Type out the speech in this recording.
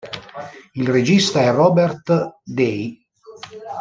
Il regista è Robert Day.